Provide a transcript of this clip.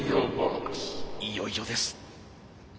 いよいよです。